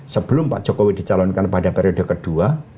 sebelum pak jokowi dicalonkan pada periode kedua